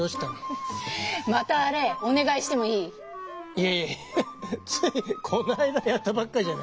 いやいやついこの間やったばっかじゃない。